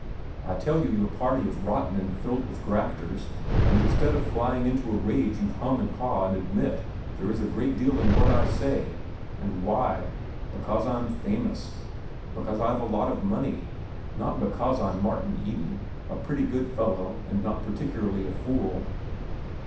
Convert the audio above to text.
I tell you your party is rotten and filled with grafters, and instead of flying into a rage you hum and haw and admit there is a great deal in what I say. And why? Because I'm famous; because I've a lot of money. Not because I'm Martin Eden, a pretty good fellow and not particularly a fool.